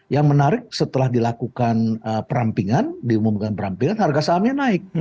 yang menarik setelah dilakukan perampingan diumumkan perampingan harga sahamnya naik